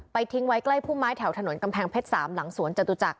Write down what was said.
ทิ้งไว้ใกล้ผู้ไม้แถวถนนกำแพงเพชร๓หลังสวนจตุจักร